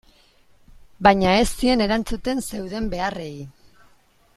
Baina ez zien erantzuten zeuden beharrei.